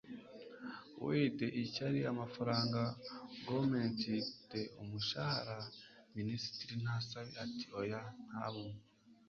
wey de ishyari amafaranga gorment de umushahara minisitiri nta sabi ati oya ntabe umwe